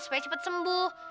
supaya cepat sembuh